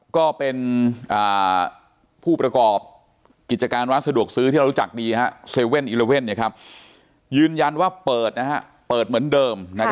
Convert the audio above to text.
ก็เป็นผู้ประกอบกิจการร้านสะดวกซื้อที่เรารู้จักดี๗๑๑ยืนยันว่าเปิดเปิดเหมือนเดิม